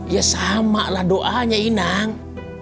ya samalah doanya inang